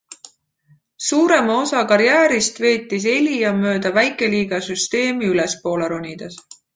Suurema osa karjäärist veetis Elia mööda väikeliiga süsteemi ülespoole ronides.